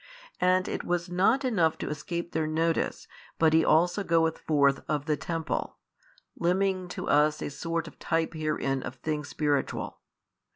And it was not enough to escape their notice but He also goeth forth of the temple, limning to us a sort of type herein of things spiritual.